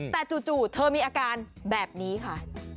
แต่จู่เธอมีอาการแบบนี้ค่ะ